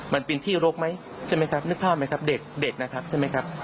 มันเป็นที่รกไหมใช่ไหมครับนึกภาพไหมครับเด็กเด็กนะครับใช่ไหมครับ